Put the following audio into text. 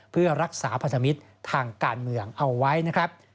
เพื่อรักษาพันธมิตรทางการเมืองเอาไว้นะครับ